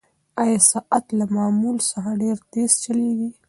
ایا ساعت له معمول څخه ډېر تېز چلیږي؟